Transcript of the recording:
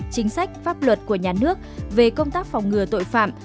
chính sách pháp luật của nhà nước về công tác phòng ngừa tội phạm